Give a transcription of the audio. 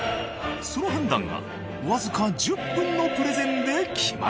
その判断がわずか１０分のプレゼンで決まる。